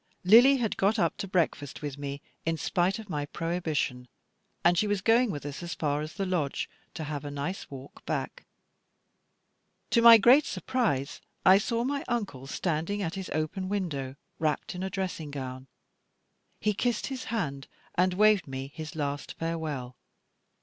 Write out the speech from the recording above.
Lily had got up to breakfast with me, in spite of my prohibition; and she was going with us as far as the lodge, to have a nice walk back. To my great surprise I saw my poor Uncle, standing at his open window, wrapped in a dressing gown. He kissed his hand and waved me his last farewell.